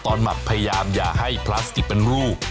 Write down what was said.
หมักพยายามอย่าให้พลาสติกเป็นรูป